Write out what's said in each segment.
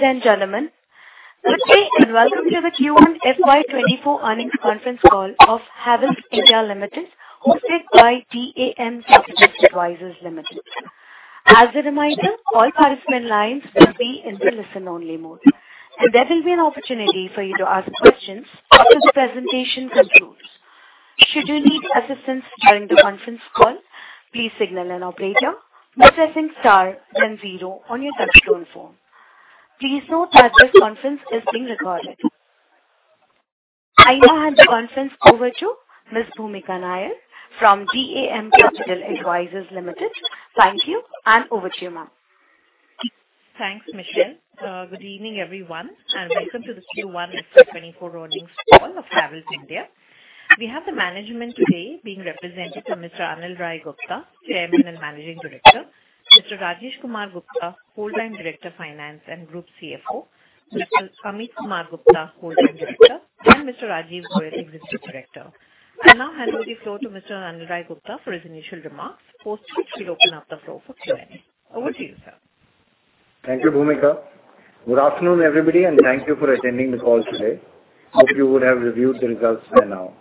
Ladies and gentlemen, good day, welcome to the Q1 FY2024 earnings conference call of Havells India Limited, hosted by DAM Capital Advisors Limited. As a reminder, all participant lines will be in the listen-only mode, and there will be an opportunity for you to ask questions after the presentation concludes. Should you need assistance during the conference call, please signal an operator by pressing star then zero on your touchtone phone. Please note that this conference is being recorded. I now hand the conference over to Ms. Bhoomika Nair from DAM Capital Advisors Limited. Thank you, over to you, ma'am. Thanks, Michelle. Good evening, everyone, and welcome to the Q1 FY24 earnings call of Havells India. We have the management today being represented by Mr. Anil Rai Gupta, Chairman and Managing Director, Mr. Rajesh Kumar Gupta, Whole-Time Director, Finance and Group CFO, Mr. Amit Kumar Gupta, Whole-Time Director, and Mr. Rajiv Goel, Executive Director. I now hand over the floor to Mr. Anil Rai Gupta for his initial remarks, post which he'll open up the floor for Q&A. Over to you, sir. Thank you, Bhoomika Nair. Good afternoon, everybody. Thank you for attending the call today. Hope you would have reviewed the results by now.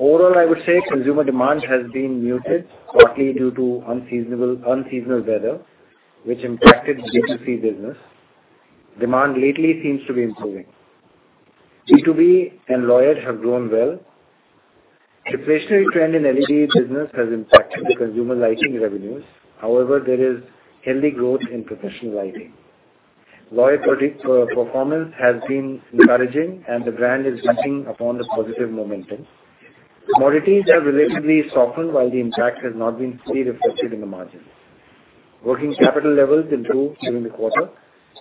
Overall, I would say consumer demand has been muted, partly due to unseasonal weather, which impacted B2C business. Demand lately seems to be improving. B2B and Lloyd have grown well. Deflationary trend in LED business has impacted the consumer lighting revenues. However, there is healthy growth in professional lighting. Lloyd product performance has been encouraging. The brand is sitting upon the positive momentum. Commodities have relatively softened, while the impact has not been fully reflected in the margins. Working capital levels improved during the quarter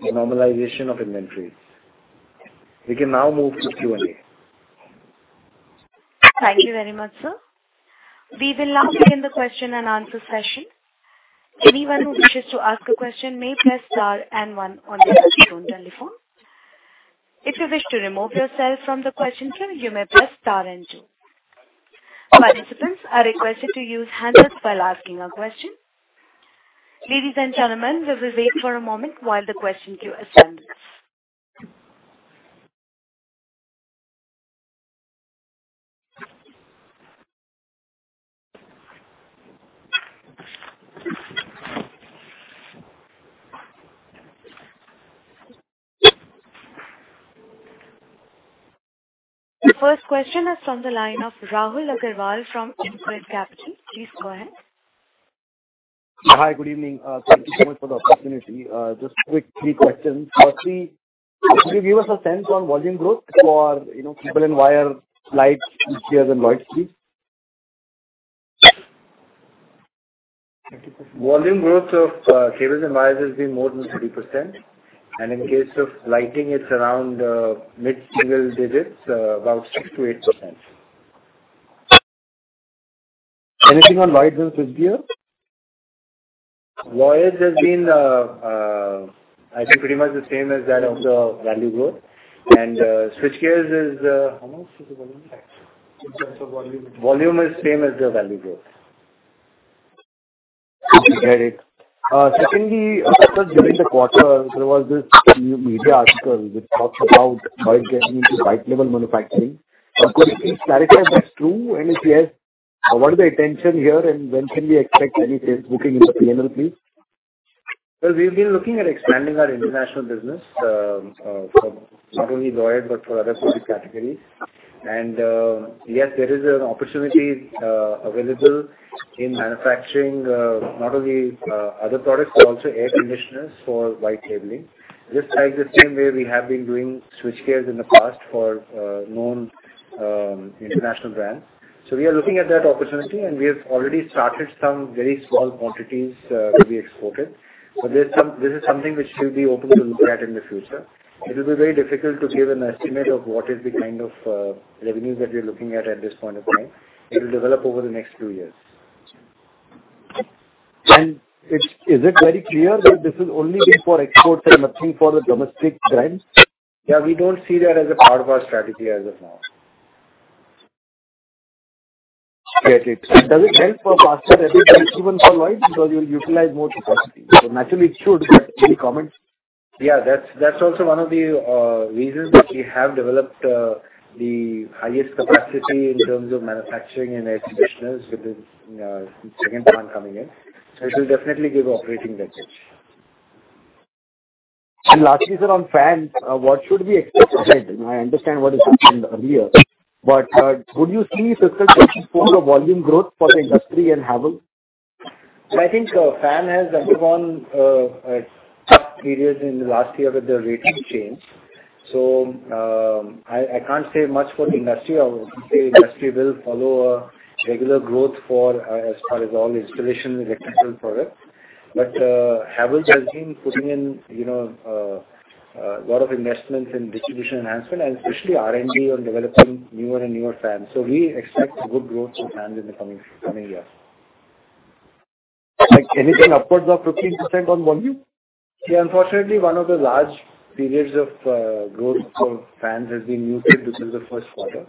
with normalization of inventories. We can now move to Q&A. Thank you very much, sir. We will now begin the question-and-answer session. Anyone who wishes to ask a question may press Star and one on their telephone. If you wish to remove yourself from the question queue, you may press Star and two. Participants are requested to use handset while asking a question. Ladies and gentlemen, we will wait for a moment while the question queue assembles. The first question is from the line of Rahul Agarwal from InCred Capital. Please go ahead. Hi, good evening. Thank you so much for the opportunity. Just quick 3 questions. Firstly, could you give us a sense on volume growth for, you know, cable and wire, lights, switch gears and Lloyd please? Volume growth of cables and wires has been more than 30%, and in case of lighting, it's around mid-single digits, about 6%-8%. Anything on Lloyd and switchgear? Lloyd has been, I think, pretty much the same as that of the value growth. Switchgears is. How much is the volume? In terms of volume. Volume is same as the value growth. Got it. Secondly, during the quarter, there was this new media article which talks about white labeling and white label manufacturing. Could you please clarify if that's true, and if yes, what is the intention here, and when can we expect any sales booking in the P&L, please? Well, we've been looking at expanding our international business for not only Lloyd but for other specific categories. Yes, there is an opportunity available in manufacturing not only other products, but also air conditioners for white labeling. Just like the same way we have been doing switchgears in the past for known international brands. We are looking at that opportunity, and we have already started some very small quantities to be exported. This is something which we'll be open to look at in the future. It will be very difficult to give an estimate of what is the kind of revenues that we're looking at at this point in time. It will develop over the next two years. Is it very clear that this is only for export and nothing for the domestic brand? Yeah, we don't see that as a part of our strategy as of now. Great. Does it help for faster revenue even for Lloyd because you'll utilize more capacity? Naturally, it should. Any comments? Yeah, that's also one of the reasons that we have developed the highest capacity in terms of manufacturing and air conditioners with this second brand coming in. It will definitely give operating leverage. Lastly, sir, on fans, what should we expect? I understand what has happened earlier, would you see sustainable volume growth for the industry in Havells? I think, fan has gone periods in the last year with the rating change. I can't say much for the industry. I would say industry will follow a regular growth for as far as all installation electrical products. Havells has been putting in, you know, lot of investments in distribution enhancement and especially R&D on developing newer and newer fans. We expect good growth in fans in the coming years. Like anything upwards of 15% on volume? Yeah, unfortunately, one of the large periods of, growth for fans has been muted this is the 1Q.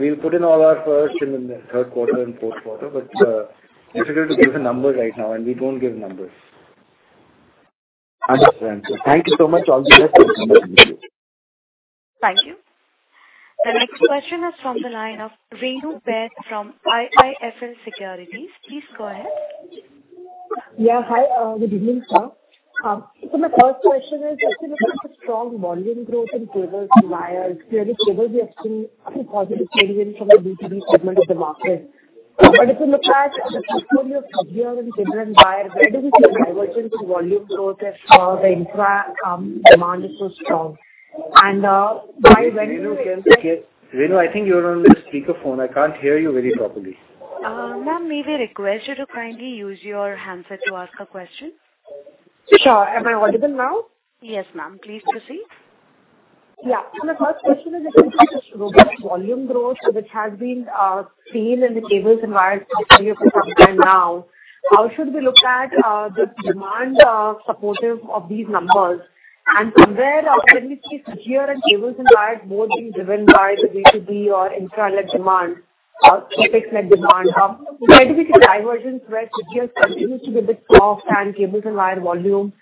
We'll put in all our efforts in the third quarter and fourth quarter, but, difficult to give a number right now, and we don't give numbers. Understood, thank you so much. All the best. Thank you. The next question is from the line of Renu Baid from IIFL Securities. Please go ahead. Yeah, hi, good evening, sir. My first question is, actually, look at the strong volume growth in cables and wires, where the cables is actually a positive segment from the B2B segment of the market. If you look at the portfolio of switchgear and cables and wire, where do we see the divergence in volume growth as the infra demand is so strong? Why. Renu, I think you're on the speakerphone. I can't hear you very properly. Ma'am, may we request you to kindly use your handset to ask a question? Sure. Am I audible now? Yes, ma'am. Please proceed. Yeah. My first question is, actually, just robust volume growth, which has been seen in the cables and wires for some time now. How should we look at the demand supportive of these numbers? From where, technically, switchgear and cables and wires both being driven by the B2B or infra-led demand or CapEx-led demand, where do we see the divergence, right, switchgears continue to be a bit soft and cables and wire volume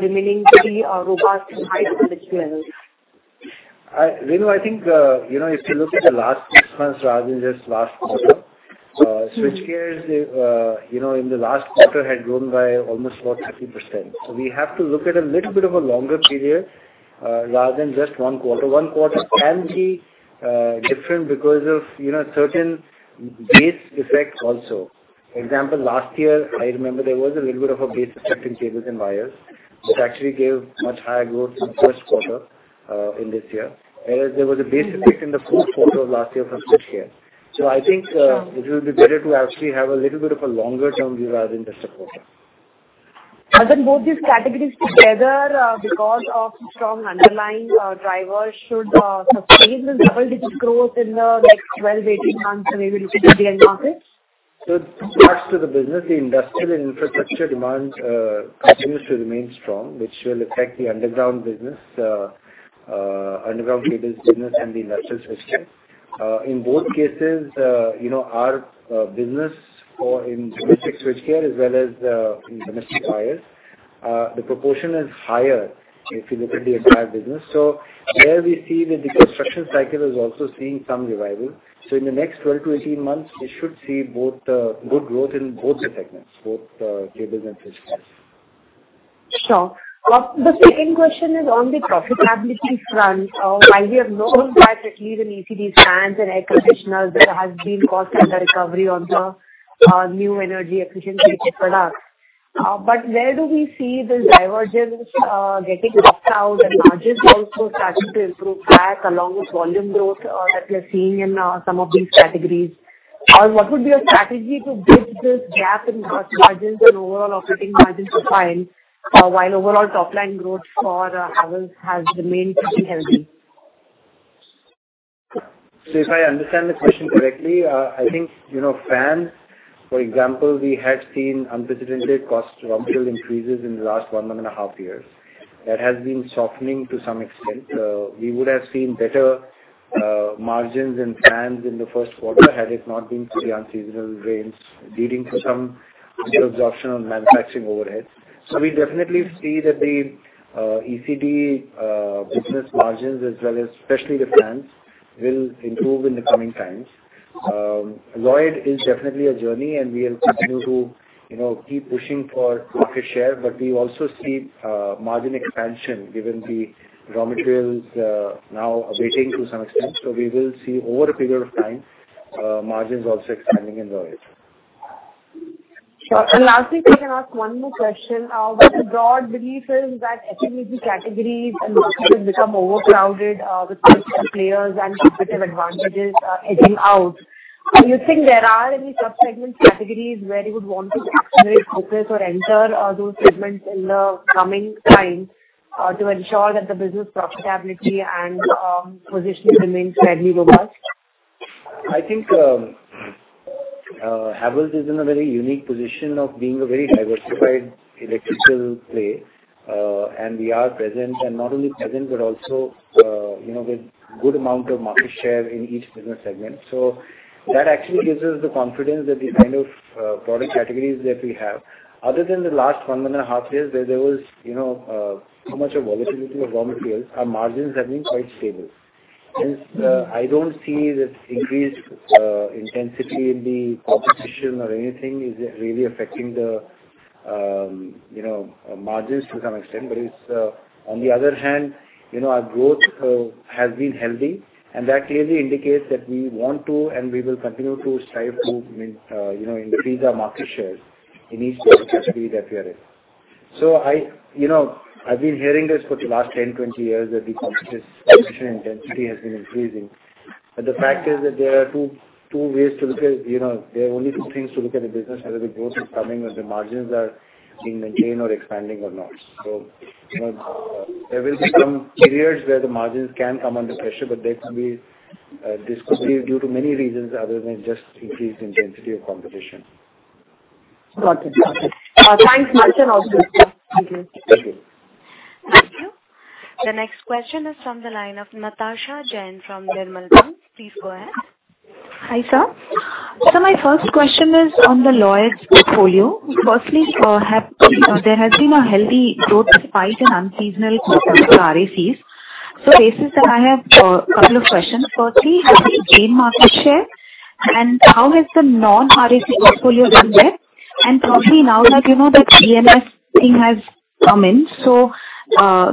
remaining to be robust and high from which levels? Renu, I think, you know, if you look at the last six months rather than just last quarter, switchgears, you know, in the last quarter had grown by almost about 30%. We have to look at a little bit of a longer period, rather than just one quarter. One quarter can be different because of, you know, certain base effects also. Example, last year, I remember there was a little bit of a base effect in cables and wires, which actually gave much higher growth in the 1Q in this year, whereas there was a base effect in the fourth quarter of last year for switchgear. I think, it will be better to actually have a little bit of a longer term view rather than just a quarter. Both these categories together, because of strong underlying drivers, should sustain the double-digit growth in the next 12, 18 months or maybe looking at the end market? As to the business, the industrial infrastructure demand continues to remain strong, which will affect the underground business, underground cables business and the industrial switchgear. In both cases, you know, our business for in domestic switchgear as well as in domestic wires, the proportion is higher if you look at the entire business. There we see that the construction cycle is also seeing some revival. In the next 12 to 18 months, we should see both good growth in both the segments, both cables and switchgears. Sure. The second question is on the profitability front. While we have known that at least in ECD fans and air conditioners, there has been cost under recovery on the new energy efficient product. Where do we see this divergence getting worked out, and margins also starting to improve back along with volume growth that we're seeing in some of these categories? What would be your strategy to bridge this gap in gross margins and overall operating margins to client, while overall topline growth for Havells has remained pretty healthy? If I understand the question correctly, I think, you know, fans, for example, we had seen unprecedented cost raw material increases in the last one and a half years. That has been softening to some extent. We would have seen better margins in fans in the 1Q, had it not been for the unseasonal rains, leading to some absorption on manufacturing overheads. We definitely see that the ECD business margins, as well as especially the fans, will improve in the coming times. Lloyd is definitely a journey, and we will continue to, you know, keep pushing for market share, but we also see margin expansion, given the raw materials, now abating to some extent. We will see over a period of time, margins also expanding in Lloyd. Sure. Lastly, if I can ask one more question. With the broad belief is that ECD categories and markets have become overcrowded, with players and competitive advantages, edging out. Do you think there are any sub-segment categories where you would want to accelerate, focus, or enter, those segments in the coming time, to ensure that the business profitability and, positioning remains slightly robust? I think, Havells is in a very unique position of being a very diversified electrical player, and we are present, and not only present, but also, you know, with good amount of market share in each business segment. That actually gives us the confidence that the kind of, product categories that we have, other than the last one and a half years, where there was, you know, so much of volatility of raw materials, our margins have been quite stable. Since, I don't see that increased, intensity in the competition or anything, is it really affecting the, you know, margins to some extent? It's on the other hand, you know, our growth, has been healthy, and that clearly indicates that we want to and we will continue to strive to, you know, increase our market share in each category that we are in. You know, I've been hearing this for the last 10, 20 years, that the competition intensity has been increasing. The fact is that there are two ways to look at, you know, there are only two things to look at a business, whether the growth is coming or the margins are being maintained or expanding or not. You know, there will be some periods where the margins can come under pressure, but there can be, this could be due to many reasons other than just increased intensity of competition. Got it. Got it. Thanks much, and have a good day. Thank you. Thank you. The next question is from the line of Natasha Jain from Nirmal Bang. Please go ahead. Hi, sir. My first question is on the Lloyd portfolio. Firstly, there has been a healthy growth despite an unseasonal RACs. Basis, I have couple of questions. Firstly, have you gained market share, and how has the non-RAC portfolio done there? Probably now that, you know, the EMS thing has come in,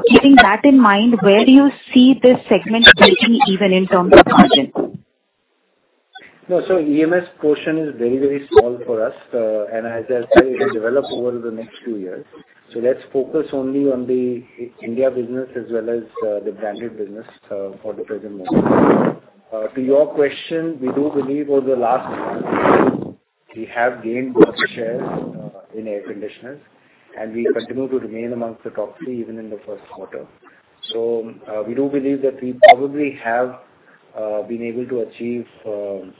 keeping that in mind, where do you see this segment fitting, even in terms of margins? No, EMS portion is very, very small for us, and as I said, it will develop over the next few years. Let's focus only on the India business as well as the branded business for the present moment. To your question, we do believe over the last we have gained market share in air conditioners, and we continue to remain amongst the top three, even in the 1Q. We do believe that we probably have been able to achieve, you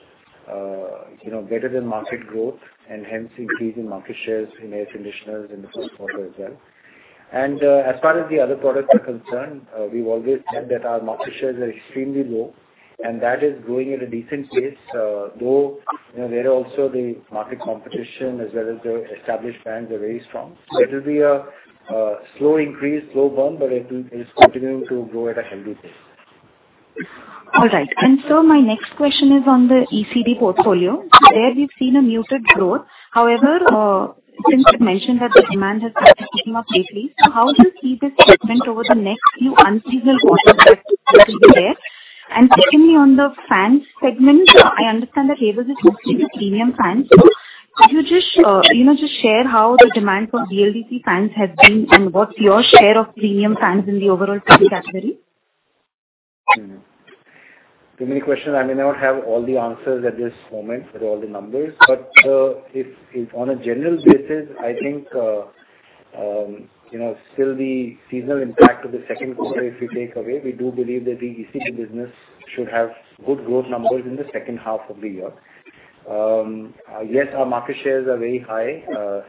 know, better than market growth, and hence increase in market shares in air conditioners in the 1Q as well. As far as the other products are concerned, we've always said that our market shares are extremely low, and that is growing at a decent pace. Though, you know, there are also the market competition, as well as the established brands are very strong. It will be a, slow increase, slow burn, but it's continuing to grow at a healthy pace. All right. Sir, my next question is on the ECD portfolio. There we've seen a muted growth. However, since you've mentioned that the demand has started picking up lately, so how do you see this segment over the next few unseasonal quarters that will be there? Secondly, on the fans segment, I understand that Havells is mostly the premium fans. Could you just, you know, share how the demand for BLDC fans has been, and what's your share of premium fans in the overall fan category? Too many questions, I may not have all the answers at this moment for all the numbers. If on a general basis, I think, you know, still the seasonal impact of the second quarter, if we take away, we do believe that the ECD business should have good growth numbers in the second half of the year. Yes, our market shares are very high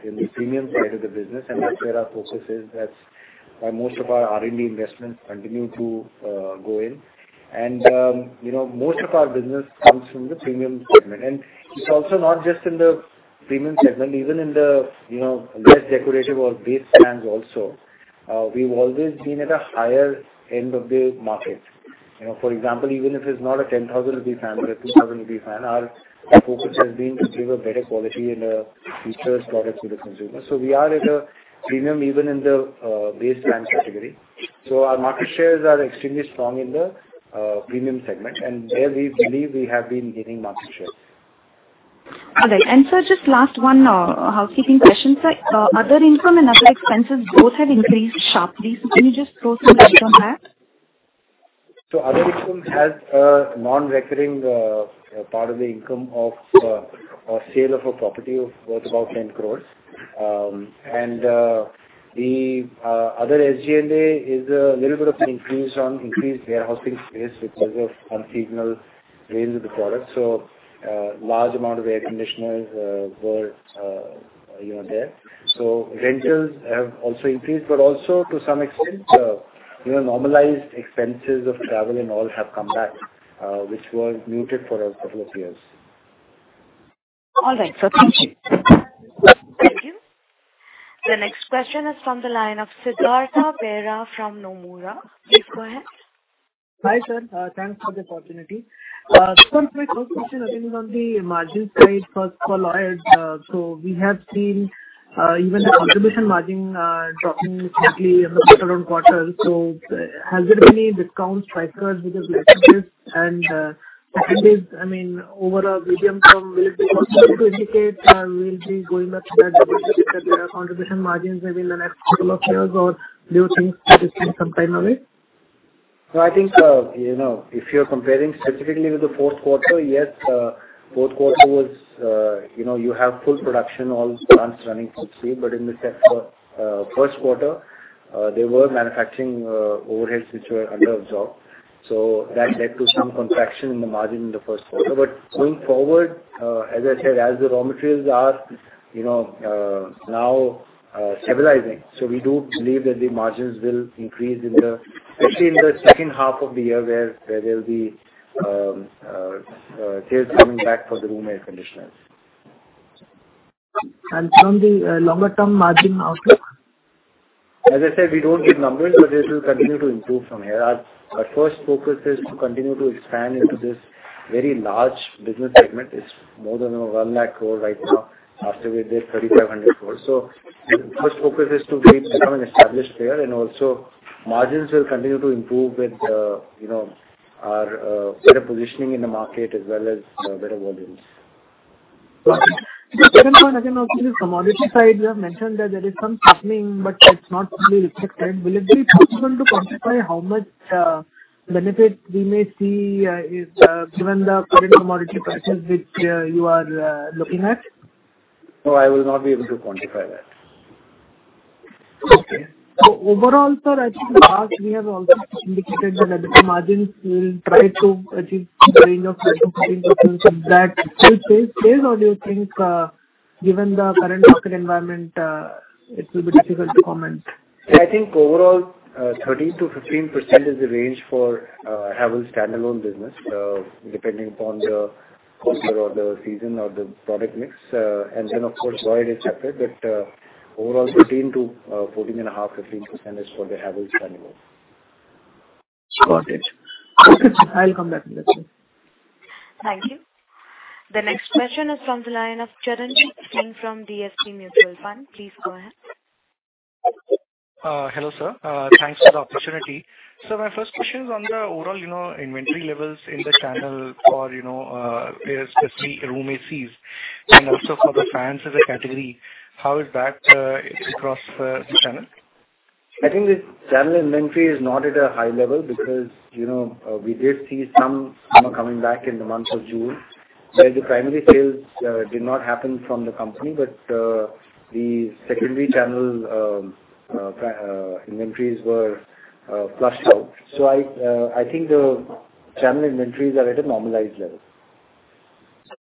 in the premium side of the business, that's where our focus is. That's where most of our R&D investments continue to go in. You know, most of our business comes from the premium segment. It's also not just in the premium segment, even in the, you know, less decorative or base fans also. We've always been at a higher end of the market. You know, for example, even if it's not an 10,000 rupee fan, but an 2,000 rupee fan, our focus has been to give a better quality and features product to the consumer. We are at a premium even in the base fan category. Our market shares are extremely strong in the premium segment, and there we believe we have been gaining market share. Okay. Sir, just last one, housekeeping question? Sir, other income and other expenses both have increased sharply, so can you just throw some light on that? Other income has a non-recurring part of the income of a sale of a property of worth about 10 crores. The other SG&A is a little bit of an increase on increased warehousing space because of unseasonal range of the product. Large amount of air conditioners were, you know, there. Rentals have also increased, but also to some extent, you know, normalized expenses of travel and all have come back, which were muted for a couple of years. All right, sir. Thank you. Thank you. The next question is from the line of Siddhartha Bera from Nomura. Please go ahead. Hi, sir. Thanks for the opportunity. My first question again, on the margin side, first for Lloyd. We have seen, even the contribution margin, dropping slightly in the second quarter. Has there been any discount cycles which have led to this? Second is, I mean, over a medium term, will you be able to indicate, we'll be going back to that contribution margins maybe in the next couple of years, or do you think it is still some time away? No, I think, if you're comparing specifically with the fourth quarter, yes, fourth quarter was, you have full production, all the plants running smoothly. In the 1Q, there were manufacturing overheads which were under-absorbed, so that led to some contraction in the margin in the 1Q. Going forward, as I said, as the raw materials are now stabilizing, so we do believe that the margins will increase especially in the second half of the year, where there will be sales coming back for the room air conditioners. From the longer term margin outlook? As I said, we don't give numbers, but this will continue to improve from here. Our first focus is to continue to expand into this very large business segment. It's more than 1 lakh crore right now, after we did 3,500 crores. Our first focus is to become an established player, and also margins will continue to improve with, you know, our better positioning in the market as well as better volumes. The second one, again, on the commodity side, you have mentioned that there is some softening, but it's not fully reflected. Will it be possible to quantify how much benefit we may see is given the current commodity prices which you are looking at? No, I will not be able to quantify that. Okay. overall, sir, I think last year you also indicated that at the margins, we will try to achieve the range of 30%. With that, will you say, or do you think? Given the current market environment, it will be difficult to comment. I think overall, 13%-15% is the range for Havells standalone business, depending upon the quarter or the season or the product mix. Then, of course, wire is separate, but overall, 13%-14.5%, 15% is for the Havells annual. Got it. I'll come back to that, sir. Thank you. The next question is from the line of Charanjit Singh from DSP Mutual Fund. Please go ahead. Hello, sir. Thanks for the opportunity. My first question is on the overall, you know, inventory levels in the channel for, you know, especially room ACs, and also for the fans as a category, how is that, across, the channel? I think the channel inventory is not at a high level because, you know, we did see some summer coming back in the month of June. The primary sales did not happen from the company, but the secondary channel inventories were flushed out. I think the channel inventories are at a normalized level. Thank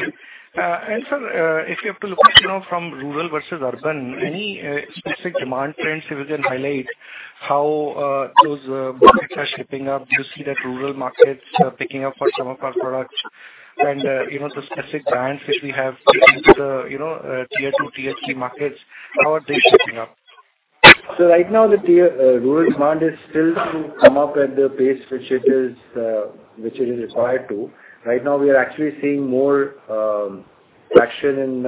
you. Sir, if you have to look at, you know, from rural versus urban, any, specific demand trends you can highlight how, those, markets are shaping up? Do you see that rural markets are picking up for some of our products? You know, the specific brands which we have into the, you know, tier two, tier three markets, how are they shaping up? Right now, the tier rural demand is still to come up at the pace which it is required to. Right now, we are actually seeing more traction in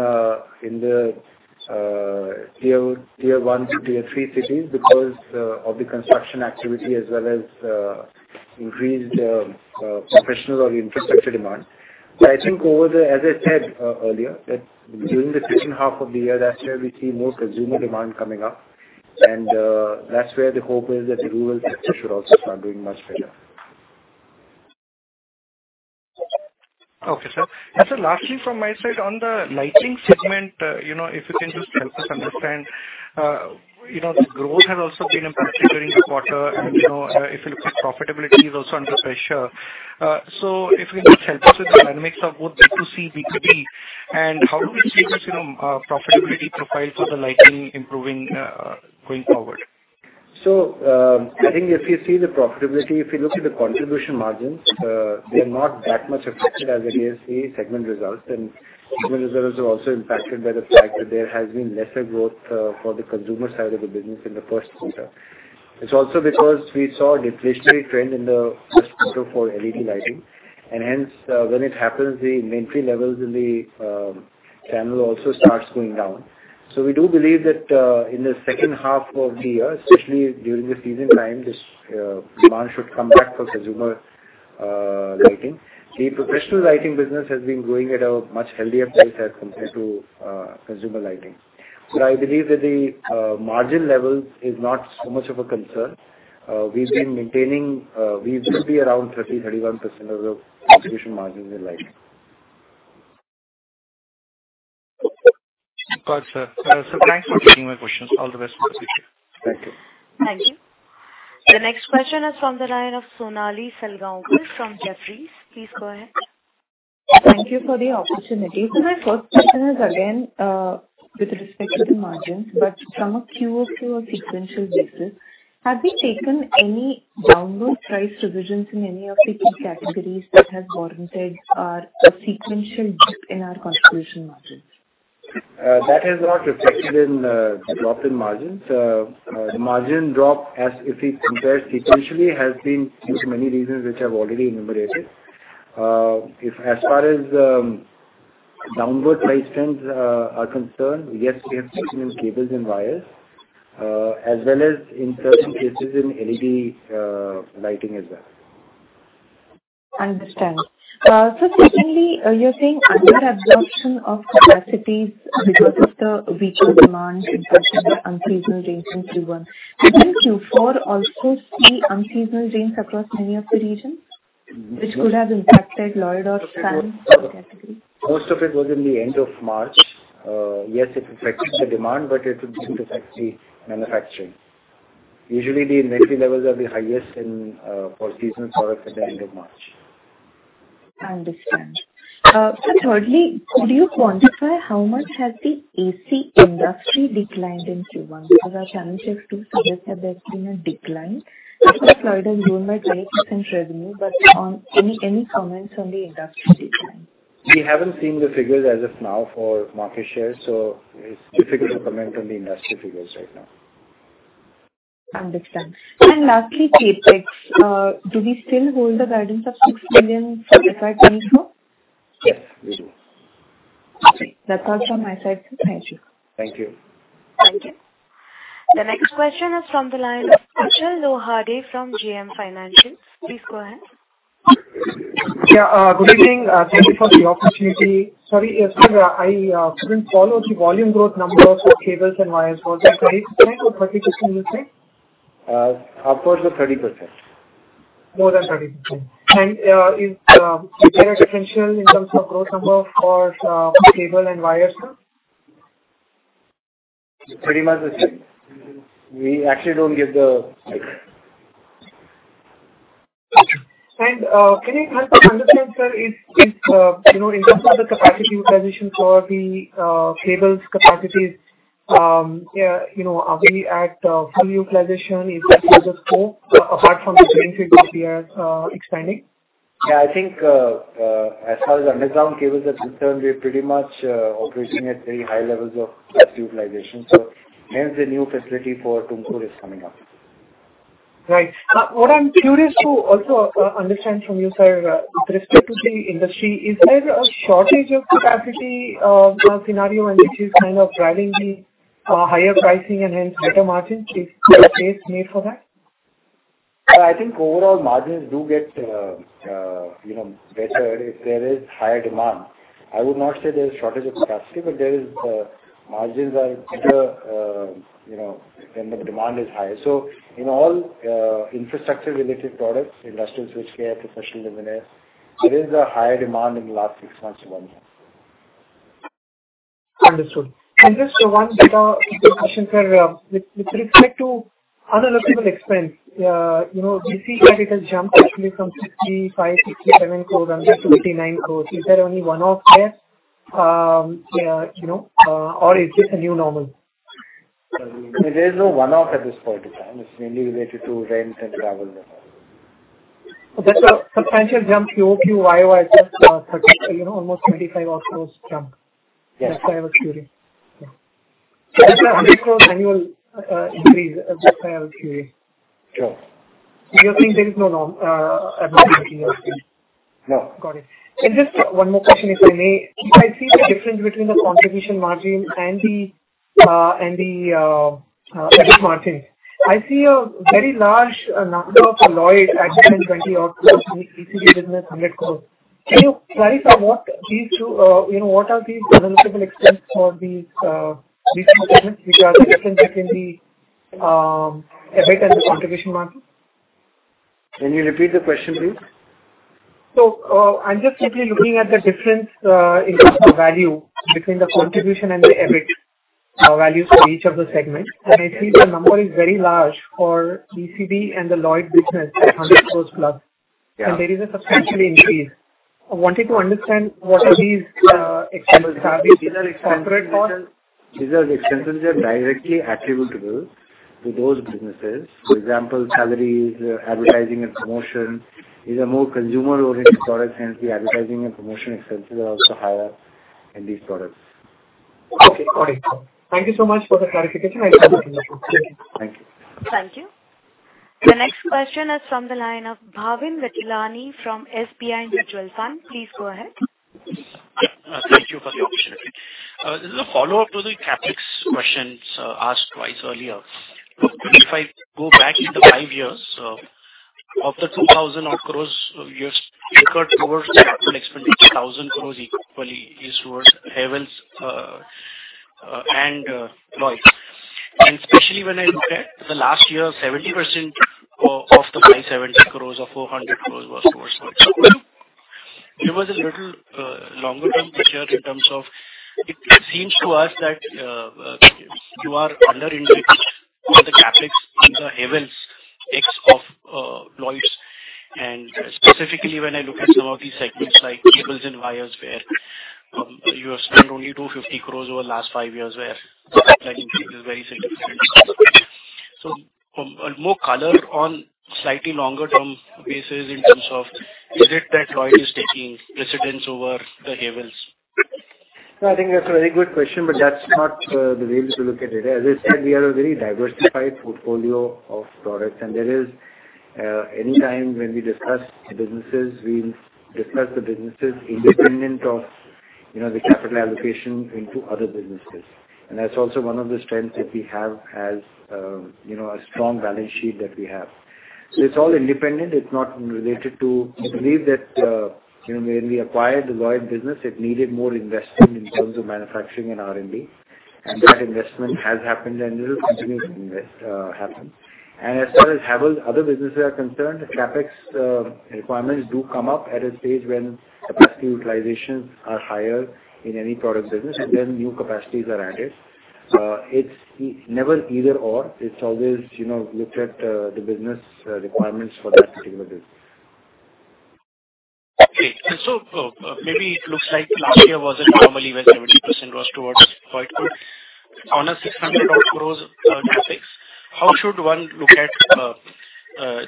the tier one to tier three cities because of the construction activity as well as increased professional or infrastructure demand. I think over the... As I said earlier, that during the second half of the year, last year, we see more consumer demand coming up, and that's where the hope is that the rural sector should also start doing much better. Okay, sir. Lastly, from my side, on the lighting segment, you know, if you can just help us understand, you know, the growth has also been impacted during the quarter, and, you know, if you look at profitability is also under pressure. If you can just help us with the dynamics of both B2C, B2B, and how do we see this, you know, profitability profile for the lighting improving, going forward? I think if you see the profitability, if you look at the contribution margins, they are not that much affected as it is the segment results. Segment results are also impacted by the fact that there has been lesser growth for the consumer side of the business in the 1Q. It's also because we saw a deflationary trend in the 1Q for LED lighting, and hence, when it happens, the inventory levels in the channel also starts going down. We do believe that in the second half of the year, especially during the season time, this demand should come back for consumer lighting. The professional lighting business has been growing at a much healthier pace as compared to consumer lighting. I believe that the margin level is not so much of a concern. We've been maintaining, we should be around 30%-31% of the contribution margins in lighting. Got it, sir. Sir, thanks for taking my questions. All the best for the future. Thank you. Thank you. The next question is from the line of Sonali Salgaonkar from Jefferies. Please go ahead. Thank you for the opportunity. My first question is again, with respect to the margins, but from a Q to a sequential basis, have we taken any downward price revisions in any of the key categories that has warranted, a sequential dip in our contribution margins? That has not reflected in drop in margins. The margin drop, as if we compare sequentially, has been due to many reasons which I've already enumerated. If as far as downward price trends are concerned, yes, we have seen in cables and wires, as well as in certain cases in LED lighting as well. I understand. Secondly, you're saying under absorption of capacities because of the regional demand, in particular, unseasonal rains in Q1. Did Q4 also see unseasonal rains across any of the regions which could have impacted load or fan category? Most of it was in the end of March. Yes, it affected the demand, but it would affect the manufacturing. Usually, the inventory levels are the highest in for seasonal products at the end of March. I understand. Thirdly, do you quantify how much has the AC industry declined in Q1? Our channel checks do suggest that there's been a decline. Of course, Lloyd and June by 20% revenue, but, any comments on the industry decline? We haven't seen the figures as of now for market share, so it's difficult to comment on the industry figures right now. Understand. Lastly, CapEx. Do we still hold the guidance of 6 million for FY24? Yes, we do. Okay. That's all from my side, sir. Thank you. Thank you. Thank you. The next question is from the line of Tushar Bohra from JM Financial. Please go ahead. Good evening. Thank you for the opportunity. Sorry, yesterday, I couldn't follow the volume growth numbers for cables and wires. Was that 30% or 32%? Upwards of 30%. More than 30%. Is there a potential in terms of growth number for cable and wires, sir? Pretty much the same. We actually don't get the. can you help us understand, sir, if, you know, in terms of the capacity utilization for the cables capacities, you know, are we at full utilization, is that where just go, apart from the green field, which we are expanding? Yeah, I think, as far as underground cables are concerned, we're pretty much operating at very high levels of capacity utilization. Hence the new facility for Tumkur is coming up. Right. What I'm curious to also understand from you, sir, with respect to the industry, is there a shortage of capacity scenario and which is kind of driving the higher pricing and hence better margin? Is case made for that? I think overall margins do get, you know, better if there is higher demand. I would not say there is shortage of capacity, but there is, margins are better, you know, when the demand is higher. In all, infrastructure-related products, industrials, which we have professional living in, there is a higher demand in the last six months to one year. Understood. Just one data question, sir. With respect to other people expense, you know, we see that it has jumped actually from 65-67 crores and just to 89 crores. Is there only one-off there, you know, or is this a new normal? There is no one off at this point in time. It's mainly related to rent and travel. That's a substantial jump QOQ, YOY, just, you know, almost 25 odd crores jump. Yes. That's why I was curious. That's annual increase. That's why I was curious. Sure. You're saying there is no norm. No. Got it. Just one more question, if I may. If I see the difference between the contribution margin and the and the EBIT margin, I see a very large number of Lloyd at 20 odd ECD business, INR 100 crores. Can you clarify what these two, you know, what are the available expense for these two business, which are the difference between the EBIT and the contribution margin? Can you repeat the question, please? I'm just simply looking at the difference, in terms of value between the contribution and the EBIT, values for each of the segments. I see the number is very large for ECD and the Lloyd business, 100 crores plus. Yeah. There is a substantial increase. I wanted to understand what are these expenses? Are these corporate costs? These are expenses that are directly attributable to those businesses. For example, salaries, advertising, and promotion. These are more consumer-oriented products, hence the advertising and promotion expenses are also higher in these products. Okay, got it. Thank you so much for the clarification. I appreciate it. Thank you. Thank you. The next question is from the line of Bhavin Vithlani from SBI Mutual Fund. Please go ahead. Yeah. Thank you for the opportunity. This is a follow-up to the CapEx questions asked twice earlier. If I go back into 5 years, of the 2,000 odd crores, you've incurred towards capital expenditure, 1,000 crores equally is towards Havells and Lloyd. Especially when I look at the last year, 70% of the 570 crores or 400 crores was towards Lloyd. Give us a little longer term picture in terms of... It seems to us that you are under-invested in the CapEx in the Havells X of Lloyd. Specifically when I look at some of these segments, like cables and wires, where you have spent only 250 crores over the last 5 years, where the capital intake is very significant. more color on slightly longer term basis in terms of is it that Lloyd is taking precedence over the Havells? No, I think that's a very good question, but that's not the way to look at it. As I said, we are a very diversified portfolio of products, and there is any time when we discuss the businesses, we discuss the businesses independent of, you know, the capital allocation into other businesses. That's also one of the strengths that we have as, you know, a strong balance sheet that we have. It's all independent. It's not related to. I believe that, you know, when we acquired the Lloyd business, it needed more investment in terms of manufacturing and R&D, and that investment has happened and will continue to invest happen. As far as Havells, other businesses are concerned, the CapEx requirements do come up at a stage when capacity utilizations are higher in any product business, and then new capacities are added. It's never either/or. It's always, you know, looked at, the business requirements for that particular business. Okay. maybe it looks like last year was an anomaly, where 70% was towards Lloyd. On a 600 odd crores, CapEx, how should one look at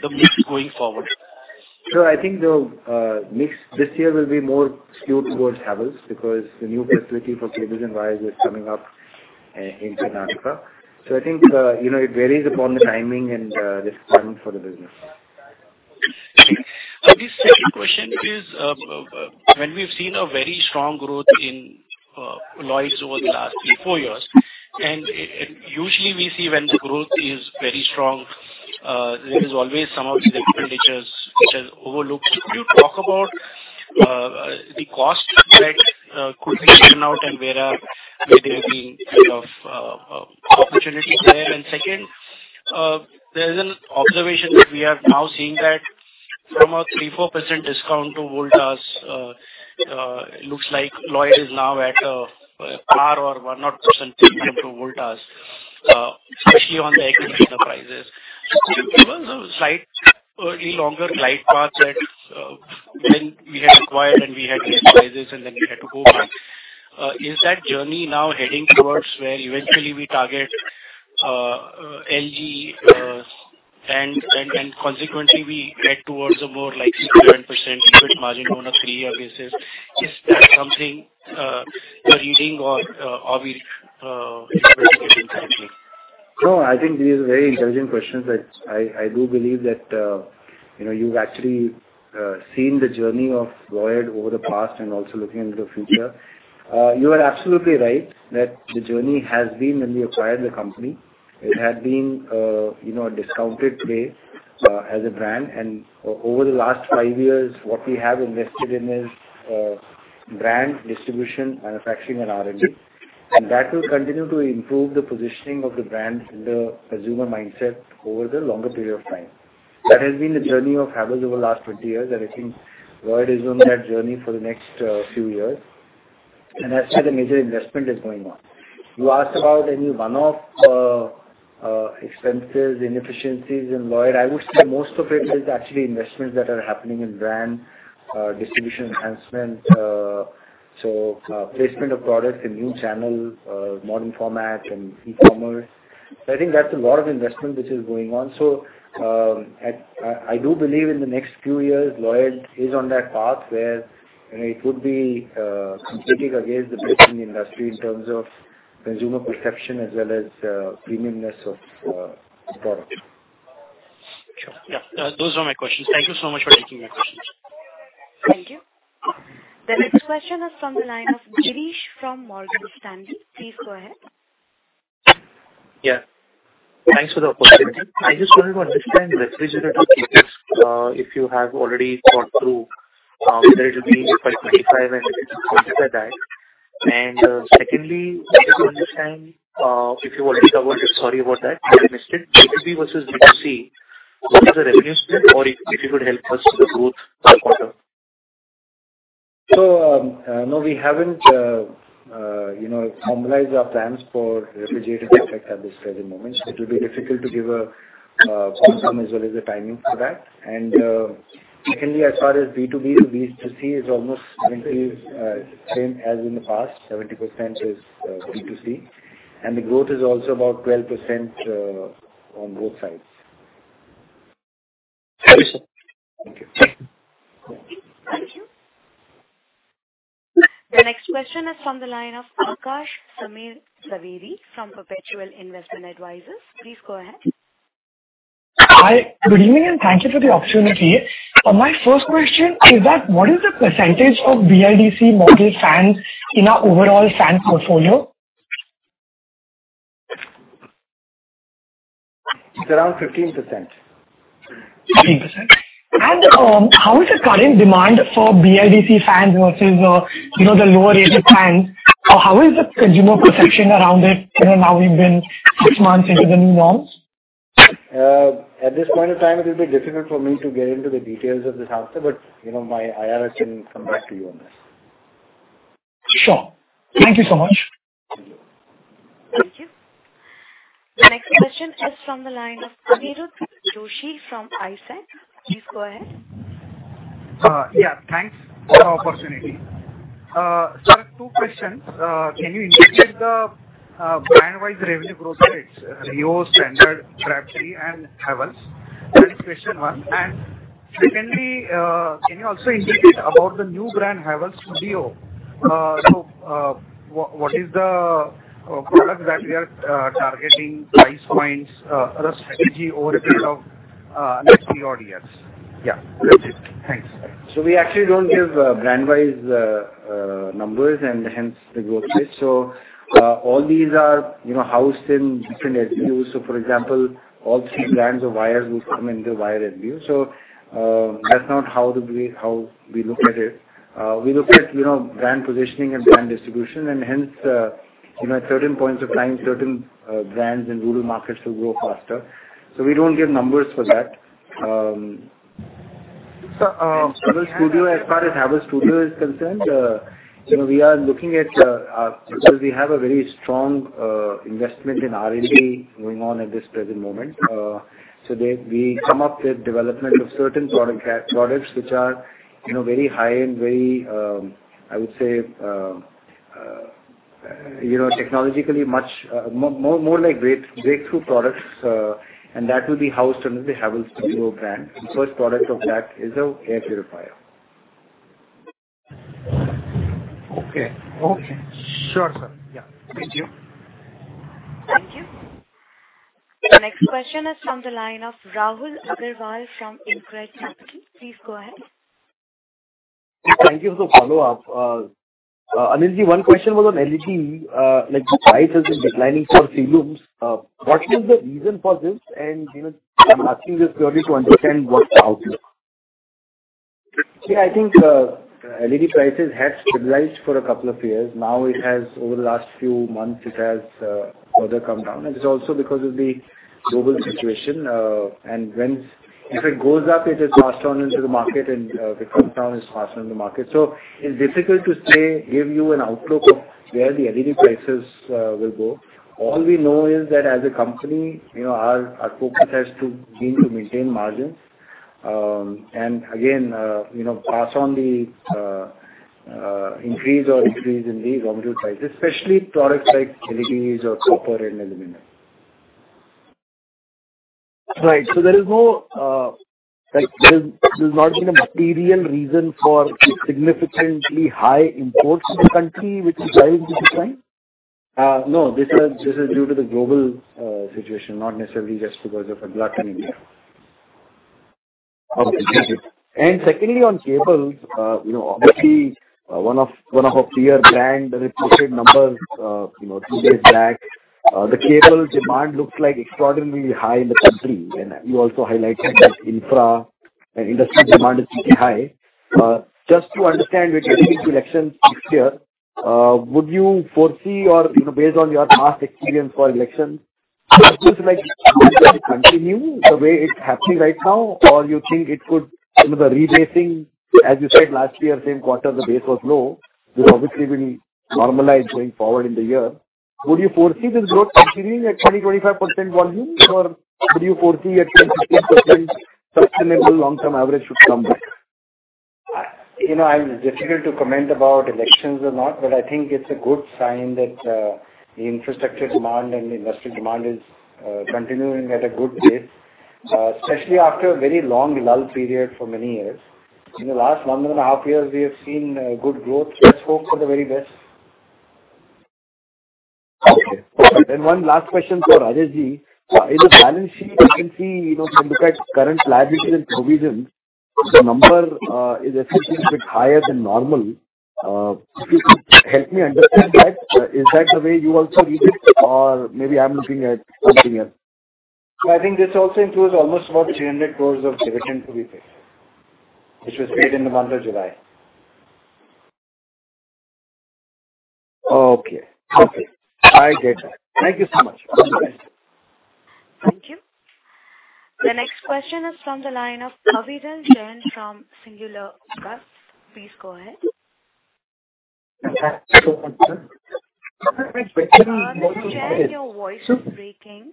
the mix going forward? I think the mix this year will be more skewed towards Havells, because the new facility for cables and wires is coming up in Karnataka. I think, you know, it varies upon the timing and requirement for the business. Okay. This second question is, when we've seen a very strong growth in Lloyd over the last three, four years, usually we see when the growth is very strong, there is always some of the expenditures which are overlooked. Could you talk about the costs that could be taken out and where are, where there will be kind of opportunity there? There is an observation that we are now seeing that from a three, four percent discount to Voltas, looks like Lloyd is now at par or 100% to Voltas, especially on the equity enterprises. There was a slight, a longer life path that when we had acquired and we had the enterprises and then we had to go back. Is that journey now heading towards where eventually we target, LG, and consequently, we head towards a more like 600% profit margin on a yearly basis? Is that something you're reading or are we interpreting it incorrectly? No, I think this is a very intelligent question that I do believe that, you know, you've actually seen the journey of Lloyd over the past and also looking into the future. You are absolutely right that the journey has been when we acquired the company, it had been, you know, a discounted way as a brand. Over the last 5 years, what we have invested in is brand distribution, manufacturing and R&D. That will continue to improve the positioning of the brand in the consumer mindset over the longer period of time. That has been the journey of Havells over the last 20 years, and I think Lloyd is on that journey for the next few years, and that's where the major investment is going on. You asked about any one-off expenses, inefficiencies in Lloyd. I would say most of it is actually investments that are happening in brand, distribution enhancement, so placement of products in new channel, modern format and e-commerce. I think that's a lot of investment which is going on. I do believe in the next few years, Lloyd is on that path where, you know, it would be competing against the best in the industry in terms of consumer perception as well as premiumness of the product. Sure. Those are my questions. Thank you so much for taking my questions. Thank you. The next question is from the line of Girish from Morgan Stanley. Please go ahead. Yeah. Thanks for the opportunity. I just wanted to understand refrigerator cases, if you have already thought through, whether it'll be by 25 and things like that? Secondly, I just want to understand, if you want to cover... Sorry about that, I missed it. B2B versus B2C, what is the revenue split, or if you could help us with the growth per quarter? No, we haven't, you know, formalized our plans for refrigerator effect at this present moment. It will be difficult to give a bottom as well as the timing for that. Secondly, as far as B2B to B2C is almost 70, same as in the past, 70% is B2C, and the growth is also about 12% on both sides. Thank you, sir. Thank you. Thank you. The next question is from the line of Aakash Javeri from Perpetual Investment Advisors. Please go ahead. Hi. Good evening, and thank you for the opportunity. My first question is that, what is the percentage of BLDC model fans in our overall fan portfolio? It's around 15%. 15%? How is the current demand for BLDC fans versus, you know, the lower end fans? How is the consumer perception around it, you know, now we've been 6 months into the new norms? At this point in time, it will be difficult for me to get into the details of this answer, but, you know, my IRS can come back to you on this. Sure. Thank you so much. Thank you. Thank you. The next question is from the line of Aniruddha Joshi from ICICI. Please go ahead. Yeah, thanks for the opportunity. Sir, two questions. Can you indicate the brand-wise revenue growth rates, Reo, Standard, Reo and Havells? That's question one. Secondly, can you also indicate about the new brand, Havells Studio? What is the product that we are targeting, price points, or the strategy over the course of next few odd years? Yeah. That's it. Thanks. We actually don't give brand wise numbers and hence the growth rate. All these are, you know, housed in different SBU. For example, all three brands of wires will come into wire SBU. That's not how the way, how we look at it. We look at, you know, brand positioning and brand distribution, and hence, you know, at certain points of time, certain brands in rural markets will grow faster. We don't give numbers for that. Havells Studio, as far as Havells Studio is concerned, you know, we are looking at because we have a very strong investment in R&D going on at this present moment. We come up with development of certain products, which are, you know, very high and very, I would say, you know, technologically much more like breakthrough products, and that will be housed under the Havells Studio brand. The first product of that is a air purifier. Okay. Okay. Sure, sir. Yeah. Thank you. Thank you. The next question is from the line of Rahul Agarwal from InCred Capital. Please go ahead. Thank you for the follow-up. Anil, one question was on LED. Like, the price has been declining for showrooms. What is the reason for this? You know, I'm asking this purely to understand what's the outlook? Yeah, I think, LED prices have stabilized for 2 years. Now, it has, over the last few months, it has, further come down, and it's also because of the global situation. If it goes up, it is passed on into the market, and, it comes down, it's passed on in the market. It's difficult to say, give you an outlook of where the LED prices, will go. All we know is that as a company, you know, our focus has to be to maintain margins. Again, you know, pass on the, increase or decrease in the raw material prices, especially products like LEDs or copper and aluminum. Right. There is no, like, there's not been a material reason for significantly high imports to the country, which is driving this design? No, this is due to the global situation, not necessarily just because of a glut in India. Okay. Secondly, on cables, you know, obviously, one of our peer brand, the reported numbers, you know, 2 days back, the cable demand looks like extraordinarily high in the country, and you also highlighted that infra and industry demand is pretty high. Just to understand, with getting to elections next year, would you foresee or, you know, based on your past experience for elections, continue the way it's happening right now, or you think it could, you know, the redressing, as you said, last year, same quarter, the base was low, which obviously will normalize going forward in the year. Would you foresee this growth continuing at 20%-25% volume, or would you foresee a 10%-15% sustainable long-term average should come back? You know, I'm difficult to comment about elections or not, but I think it's a good sign that the infrastructure demand and investment demand is continuing at a good pace, especially after a very long lull period for many years. In the last 1.5 years, we have seen good growth. Let's hope for the very best. One last question for Anil. In the balance sheet, you can see, you know, if you look at current liabilities and provisions, the number is essentially a bit higher than normal. If you could help me understand that. Is that the way you also read it, or maybe I'm looking at something else? I think this also includes almost about 300 crores of dividend to be paid, which was paid in the month of July. Okay. Okay, I get that. Thank you so much. Thank you. The next question is from the line of Kavidan Jen from Singular Capital. Please go ahead. ... Your voice is breaking.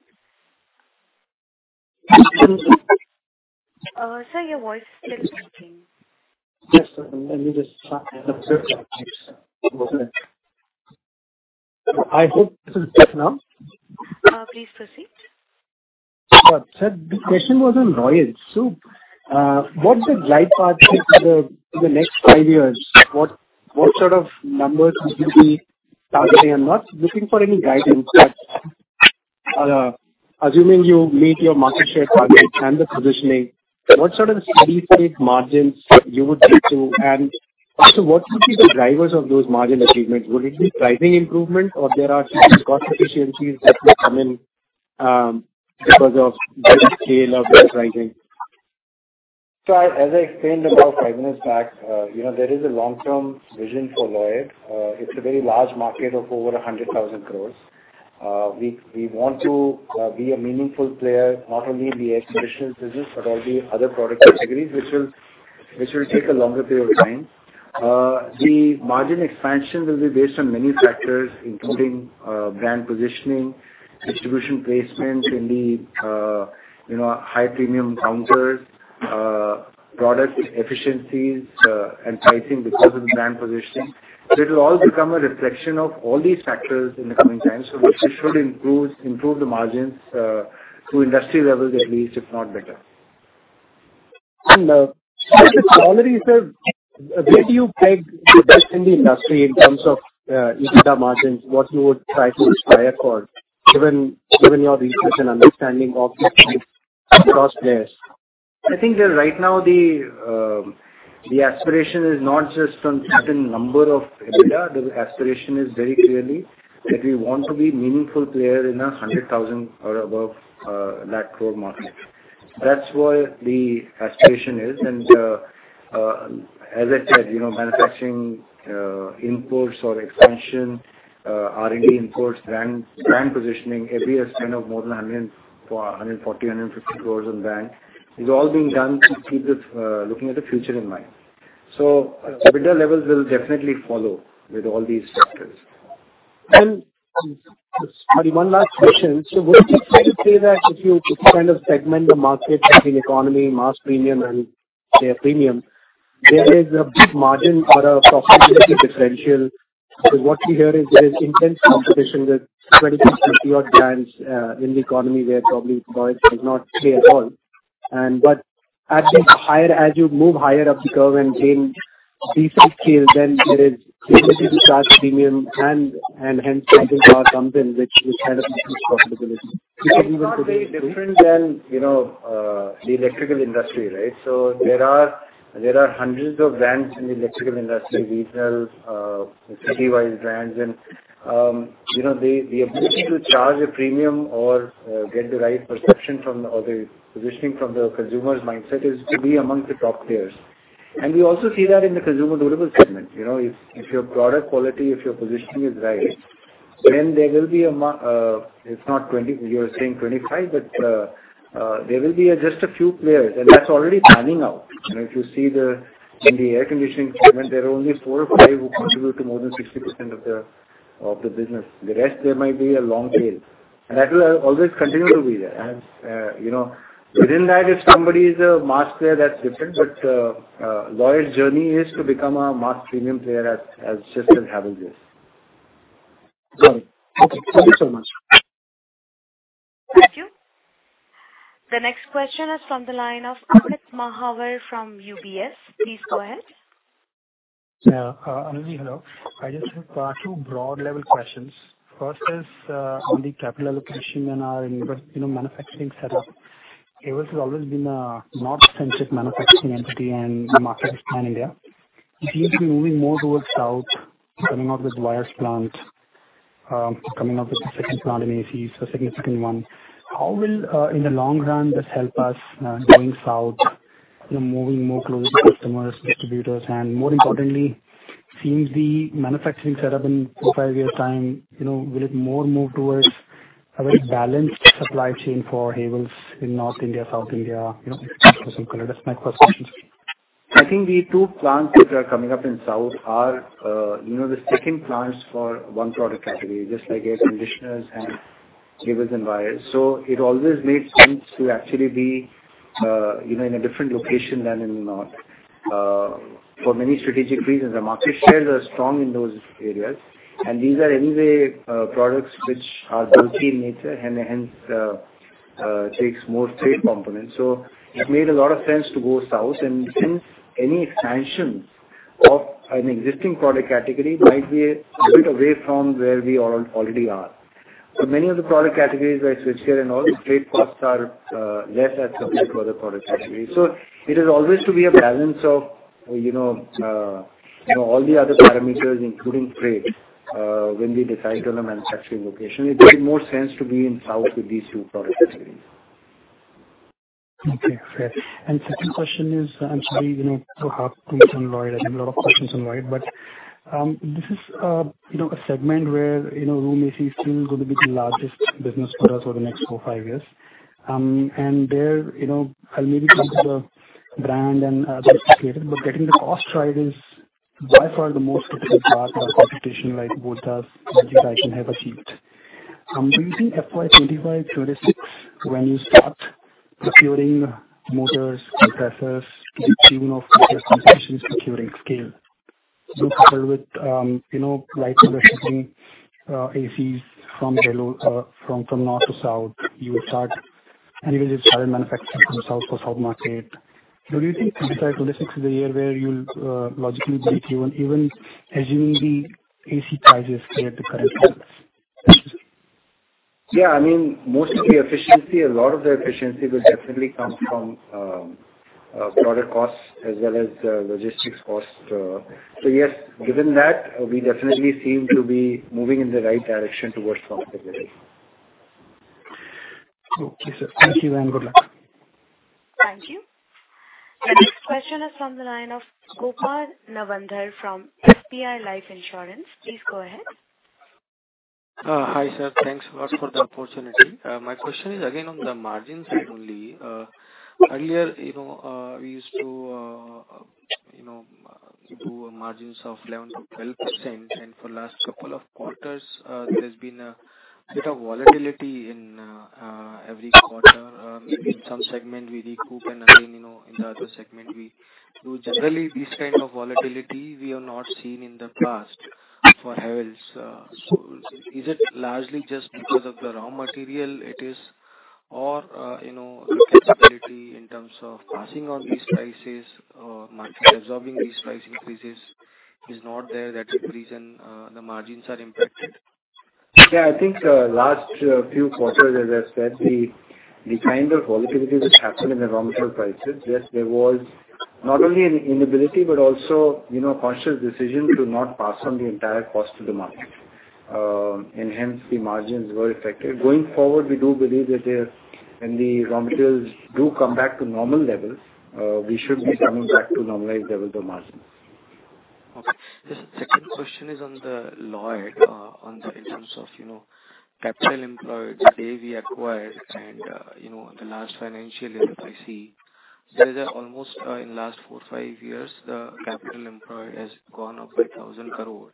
Sir, your voice is still breaking. Yes, let me just I hope this is better now. Please proceed. Sir, the question was on Lloyd. What's the right path for the, for the next five years? What sort of numbers you will be targeting? I'm not looking for any guidance, but, assuming you meet your market share target and the positioning, what sort of steady-state margins you would lead to? What would be the drivers of those margin achievements? Would it be pricing improvement, or there are cost efficiencies that will come in, because of the scale of this pricing? As I explained about 5 minutes back, you know, there is a long-term vision for Lloyd. It's a very large market of over 100,000 crores. We want to be a meaningful player, not only in the air conditional business, but all the other product categories, which will take a longer period of time. The margin expansion will be based on many factors, including brand positioning, distribution placement in the, you know, high-premium counters, product efficiencies, and pricing because of the brand positioning. It'll all become a reflection of all these factors in the coming times, so which should improve the margins to industry levels at least, if not better. sir, where do you peg best in the industry in terms of EBITDA margins? What you would try to aspire for, given your research and understanding of the across players? I think that right now the aspiration is not just on certain number of EBITDA. The aspiration is very clearly that we want to be meaningful player in a 100,000 or above lakh crore market. That's what the aspiration is. As I said, you know, manufacturing imports or expansion, R&D imports, brand positioning, every year spend of more than 100, 140, 150 crores on brand, is all being done to keep this looking at the future in mind. EBITDA levels will definitely follow with all these factors. One last question. Would you say that if you, if you kind of segment the market between economy, mass premium, and say, premium, there is a big margin or a profitability differential? Because what we hear is there is intense competition with 20, 50 odd brands in the economy, where probably Lloyd does not play at all. As you move higher up the curve and gain decent scale, then there is the ability to charge premium and hence, something comes in which kind of increases profitability. It's not very different than, you know, the electrical industry, right? There are hundreds of brands in the electrical industry, regional, city-wide brands, and, you know, the ability to charge a premium or get the right perception or the positioning from the consumer's mindset is to be among the top tiers. We also see that in the consumer durables segment. You know, if your product quality, if your positioning is right, then there will be it's not 20, you're saying 25, but there will be just a few players, and that's already panning out. If you see the, in the air conditioning segment, there are only 4 or 5 who contribute to more than 60% of the business. The rest, there might be a long tail, and that will always continue to be there. You know, within that, if somebody is a mass player, that's different. Lloyd's journey is to become a mass premium player as system have this. Sorry. Thank you so much. Thank you. The next question is from the line of Amit Mahawar from UBS. Please go ahead. Yeah. Anil, hello. I just have 2 broad level questions. First is, on the capital allocation and, you know, manufacturing setup. It has always been a north-centric manufacturing entity, and the market is pan-India. It seems to be moving more towards south, coming up with wires plant, coming up with the 2nd plant in AC, so significant one. How will, in the long run, this help us, going south, you know, moving more closer to customers, distributors, and more importantly, seems the manufacturing setup in 4, 5 years' time, you know, will it more move towards a very balanced supply chain for Havells in North India, South India? You know, that's my first question. I think the two plants which are coming up in South are, you know, the second plants for one product category, just like air conditioners and Geysers and wires. It always makes sense to actually be, you know, in a different location than in the North. For many strategic reasons, the market shares are strong in those areas, and these are anyway, products which are bulky in nature and hence, takes more trade components. It made a lot of sense to go south, and since any expansion of an existing product category might be a bit away from where we all already are. Many of the product categories like Switchgear and all, the trade costs are less as compared to other product categories. It is always to be a balance of, you know, you know, all the other parameters, including trade, when we decide on the manufacturing location. It makes more sense to be in South with these two product categories. Okay, fair. Second question is, I'm sorry, you know, to hop on Lloyd. I have a lot of questions on Lloyd, but, you know, a segment where, you know, room AC is still going to be the largest business for us over the next 4, 5 years. There, you know, I'll maybe come to the brand and, but getting the cost right is by far the most critical part of competition like Voltas and Geysers have achieved. Do you think FY25, FY26, when you start procuring motors, compressors, you know, competition, securing scale? Do you start with, you know, like shipping AC from below, from north to south, you will start manufacturing from south to south market. Do you think 2025, 2026 is the year where you'll logically break even as you need the AC prices at the current rates? Yeah, I mean, most of the efficiency, a lot of the efficiency will definitely come from product costs as well as logistics costs. Yes, given that, we definitely seem to be moving in the right direction towards profitability. Okay, sir. Thank you and good luck. Thank you. The next question is from the line of Gopal Navandar from SBI Life Insurance. Please go ahead. Hi, sir. Thanks a lot for the opportunity. My question is again on the margin side only. Earlier, you know, we used to, you know, do margins of 11%-12%, and for last couple of quarters, there's been a bit of volatility in every quarter. In some segment, we recoup, and again, you know, in the other segment, we. Generally, this kind of volatility we have not seen in the past for Havells. Is it largely just because of the raw material it is or, you know, flexibility in terms of passing on these prices or absorbing these price increases is not there, that's the reason, the margins are impacted? I think, last few quarters, as I said, the kind of volatility which happened in the raw material prices, yes, there was not only an inability, but also, you know, conscious decision to not pass on the entire cost to the market. Hence, the margins were affected. Going forward, we do believe that if when the raw materials do come back to normal levels, we should be coming back to normalized level of the margins. Okay. The second question is on the Lloyd, on the in terms of, you know, capital employed, the day we acquired and, you know, the last financial year, I see there is almost in last 4-5 years, the capital employed has gone up by 1,000 crore.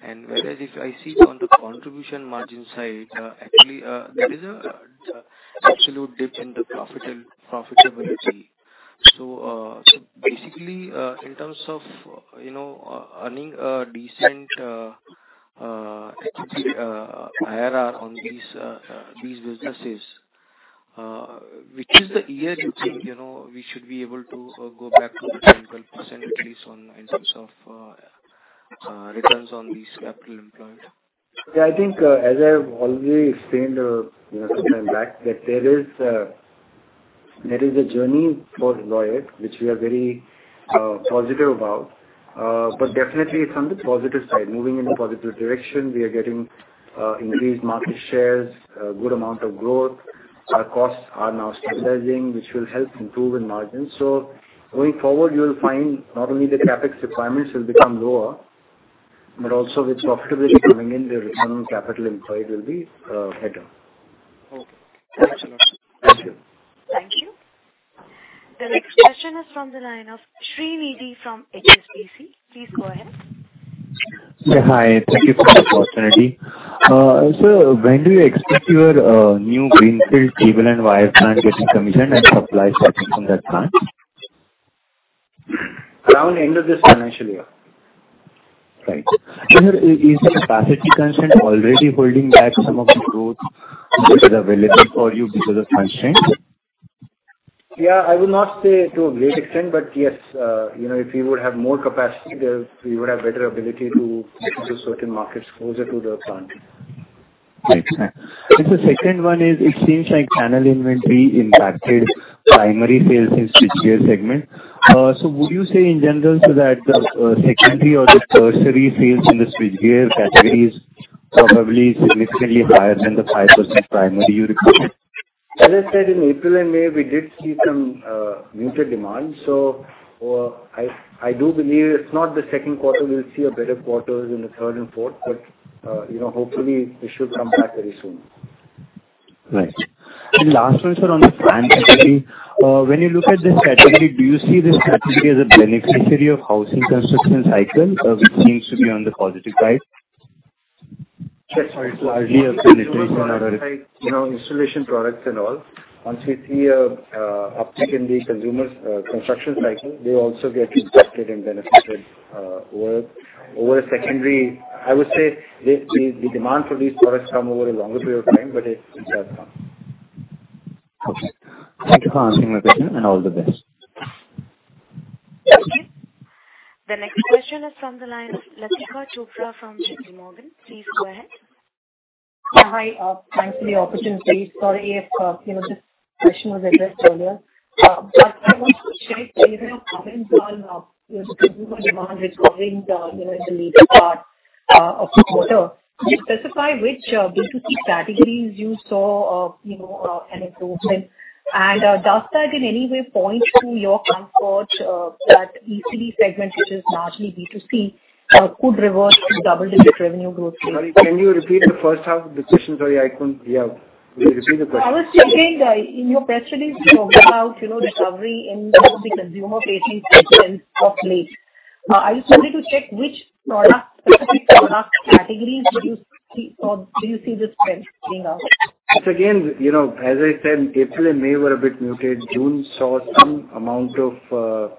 Whereas if I see it on the contribution margin side, actually, there is a absolute dip in the profit and profitability. Basically, in terms of, you know, earning a decent IRR on these businesses, which is the year you think, you know, we should be able to go back to the 10%-12%, at least on in terms of returns on these capital employed? I think, as I have already explained, you know, sometime back, that there is a journey for Lloyd, which we are very positive about. Definitely it's on the positive side. Moving in a positive direction, we are getting increased market shares, a good amount of growth. Our costs are now stabilizing, which will help improve in margins. Going forward, you'll find not only the CapEx requirements will become lower, but also with profitability coming in, the return on capital employed will be better. Okay. Thanks a lot. Thank you. Thank you. The next question is from the line of Srinidhi from HSBC. Please go ahead. Yeah, hi. Thank you for the opportunity. When do you expect your new greenfield cable and wire plant getting commissioned and supply starting from that plant? Around end of this financial year. Right. Sir, is the capacity constraint already holding back some of the growth which is available for you because of constraints? I would not say to a great extent, but yes, you know, if we would have more capacity, there, we would have better ability to certain markets closer to the plant. Right. The second one is, it seems like channel inventory impacted primary sales in switchgear segment. Would you say in general, so that the secondary or the tertiary sales in the switchgear category is probably significantly higher than the 5% primary you require? As I said, in April and May, we did see some muted demand. I do believe if not the second quarter, we'll see a better quarter in the third and fourth, you know, hopefully it should come back very soon. Right. The last one, sir, on the plan category, when you look at this category, do you see this category as a beneficiary of housing construction cycle, which seems to be on the positive side? It's largely a beneficiary, you know, installation products and all. Once we see a uptick in the consumer's construction cycle, they also get impacted and benefited. I would say, the demand for these products come over a longer period of time, but it does come. Okay. Thank you for answering my question, and all the best. Thank you. The next question is from the line, Latika Chopra from JPMorgan. Please go ahead. Hi, thanks for the opportunity. Sorry if, you know, this question was addressed earlier. I want to check whether demand recovering the, you know, in the later part of the quarter. Could you specify which B2C categories you saw, you know, an improvement? Does that in any way point to your comfort that ECD segment, which is largely B2C, could reverse to double-digit revenue growth? Sorry, can you repeat the first half of the question? Sorry, I couldn't hear. Could you repeat the question? I was just saying, in your press release, you talked about, you know, recovery in the consumer-facing segments of late. I just wanted to check which product, specific product categories would you see or do you see the strength playing out? It's again, you know, as I said, April and May were a bit muted. June saw some amount of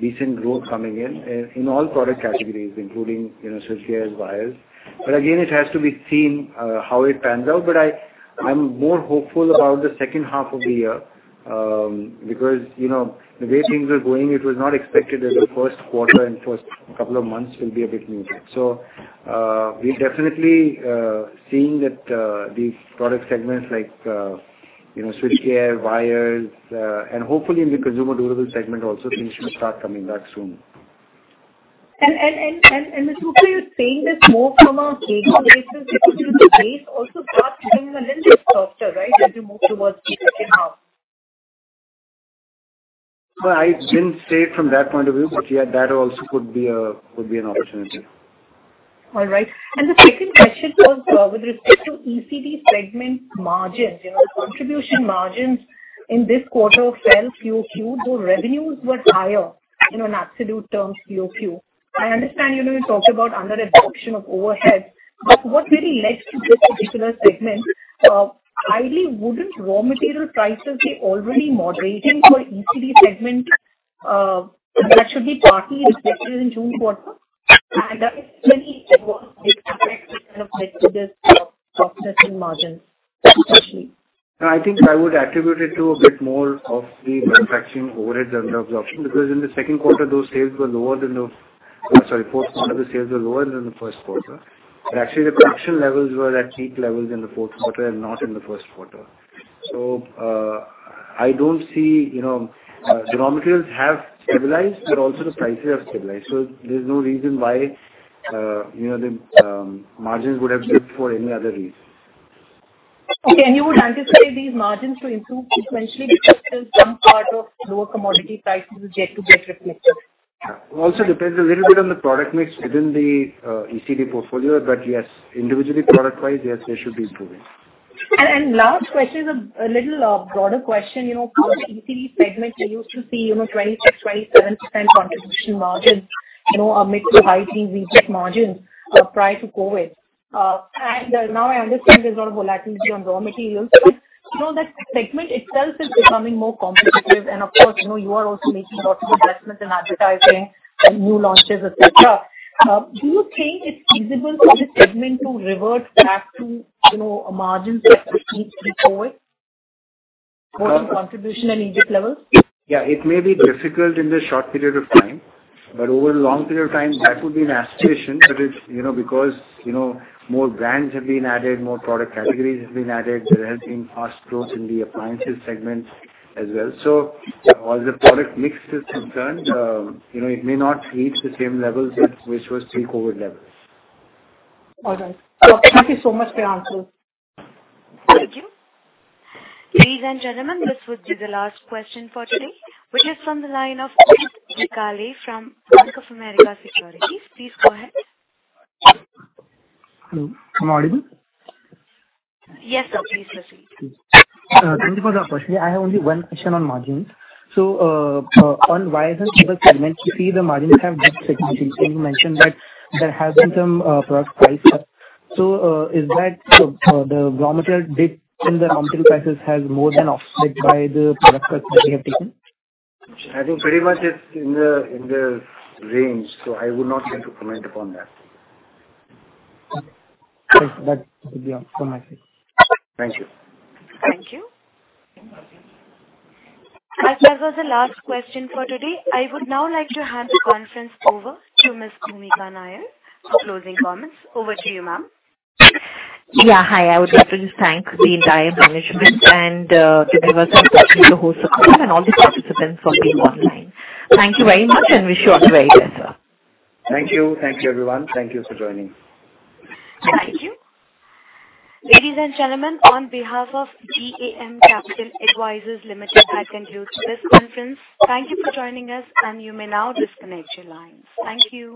decent growth coming in in all product categories, including, you know, switchgear wires. Again, it has to be seen how it pans out. I'm more hopeful about the second half of the year because, you know, the way things were going, it was not expected that the 1Q and first couple of months will be a bit muted. We're definitely seeing that these product segments like, you know, switchgear, wires, and hopefully in the consumer durable segment also, things should start coming back soon. Mr. Chopra, you're saying this more from a behavioral basis, because the base also starts becoming a little softer, right, as you move towards the second half? I didn't say it from that point of view, but yeah, that also could be a, could be an opportunity. All right. The second question was, with respect to ECD segment margins, you know, contribution margins in this quarter fell QOQ, though revenues were higher in an absolute terms QOQ. I understand, you know, you talked about under absorption of overheads, but what really led to this particular segment? Highly wouldn't raw material prices be already moderating for ECD segment, that should be partly reflected in June quarter? That is really what kind of led to this, process and margin especially. I think I would attribute it to a bit more of the manufacturing overhead than the absorption, because in the second quarter, those sales were lower. Sorry, fourth quarter, the sales were lower than the 1Q. Actually, the production levels were at peak levels in the fourth quarter and not in the 1Q. I don't see, you know, raw materials have stabilized, but also the prices have stabilized. There's no reason why, you know, the margins would have dipped for any other reason. Okay, you would anticipate these margins to improve sequentially because there's some part of lower commodity prices yet to get reflected? Also depends a little bit on the product mix within the ECD portfolio, but yes, individually product-wise, yes, they should be improving. last question is a little broader question, you know, for the ECD segment, you used to see, you know, 26%-27% contribution margins, you know, amid to high margins, prior to COVID. now I understand there's a lot of volatility on raw materials, but so that segment itself is becoming more competitive. of course, you know, you are also making lots of investments in advertising and new launches, et cetera. do you think it's feasible for this segment to revert back to, you know, a margin set pre-COVID, both in contribution and ESG levels? Yeah, it may be difficult in the short period of time, but over a long period of time, that would be an aspiration. It's, you know, because, you know, more brands have been added, more product categories have been added. There has been fast growth in the appliances segment as well. As the product mix is concerned, you know, it may not reach the same levels as which was pre-COVID levels. All right. Thank you so much for your answers. Thank you. Ladies and gentlemen, this would be the last question for today, which is from the line of Kalei from Bank of America Securities. Please go ahead. Hello, am I audible? Yes, sir, please proceed. Thank you for the opportunity. I have only one question on margins. On why isn't other segments, you see the margins have dipped significantly? You mentioned that there has been some product price cut. Is that the raw material dip in the raw material prices has more than offset by the product cuts that you have taken? I think pretty much it's in the range, so I would not care to comment upon that. Okay. That would be all from my side. Thank you. Thank you. That was the last question for today. I would now like to hand the conference over to Ms. Bhoomika Nair for closing comments. Over to you, ma'am. Yeah, hi. I would like to just thank the entire management and all the participants for being online. Thank you very much. Wish you all the very best, sir. Thank you. Thank you, everyone. Thank you for joining. Thank you. Ladies and gentlemen, on behalf of DAM Capital Advisors Limited, I conclude this conference. Thank you for joining us. You may now disconnect your lines. Thank you.